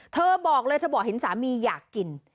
เธอบอกเลยเธอบอกเห็นสามีอยากกิน